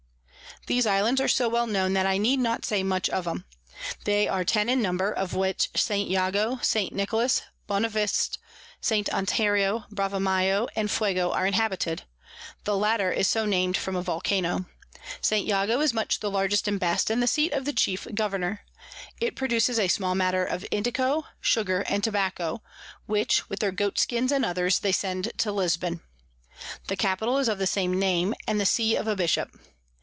These Islands are so well known, that I need not say much of 'em. They are ten in number, of which St. Jago, St. Nicholas Bonavist, St. Antonio, Brava Mayo, and Fuego are inhabited: The latter is so nam'd from a Volcano. St. Jago is much the largest and best, and the Seat of the chief Governour. It produces a small matter of Indico, Sugar and Tobacco; which, with their Goat Skins and others, they send to Lisbon. The Capital is of the same Name, and the See of a Bishop.